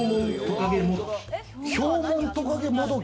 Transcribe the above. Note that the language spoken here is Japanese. ヒョウモントカゲモドキ。